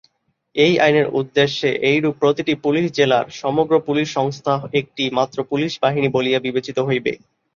এই আইনের উদ্দেশ্যে এইরূপ প্রতিটি ‘পুলিশ জেলার’ সমগ্র পুলিশ সংস্থা একটি মাত্র পুলিশ বাহিনী বলিয়া বিবেচিত হইবে।